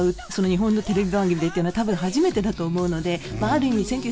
日本テレビ番組でというのは多分初めてだと思うのである意味